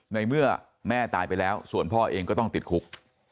ในเมื่อแม่ตายไปแล้วส่วนพ่อเองก็ต้องติดคุก